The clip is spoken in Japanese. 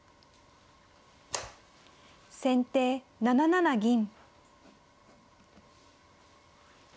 先手７七銀。